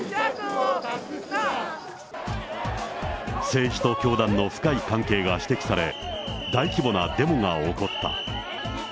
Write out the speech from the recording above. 政治と教団の深い関係が指摘され、大規模なデモが起こった。